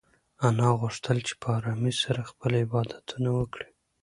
انا غوښتل چې په ارامۍ سره خپل عبادتونه وکړي.